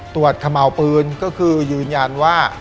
ตรวจขะเหมาปืนก็คือยืนยานว่า